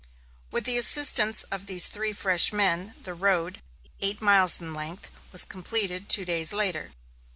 With the assistance of these three fresh men, the road, eight miles in length, was completed two days later.